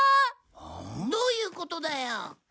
どういうことだよ？